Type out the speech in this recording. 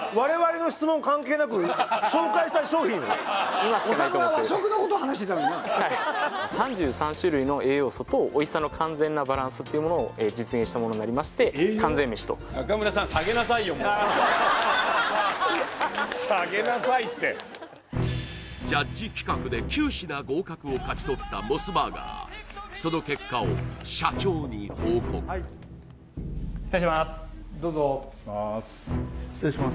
今しかないと思って統は３３種類の栄養素とおいしさの完全なバランスっていうものを実現したものになりまして完全メシと下げなさいってジャッジ企画で９品合格を勝ち取ったモスバーガーその結果を社長に報告はいどうぞ失礼します